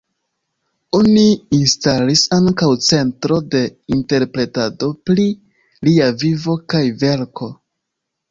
Oni instalis ankaŭ centro de interpretado pri lia vivo kaj verko.